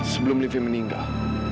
sebelum livi meninggal